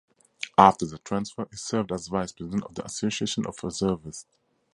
After the transfer, he served as vice-president of the Association of Reservists.